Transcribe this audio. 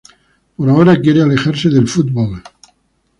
Por ahora quiere alejarse del fútbol.